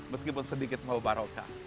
meskipun sedikit mau barokah